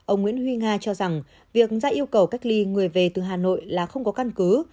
ông nguyễn huy nga cho rằng việc ra yêu cầu cách ly người về từ hà nội là không có căn cứ